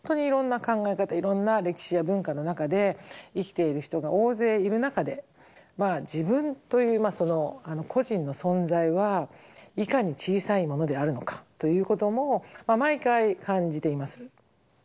いろんな歴史や文化の中で生きている人が大勢いる中で自分という個人の存在はいかに小さいものであるのかということも毎回感じています。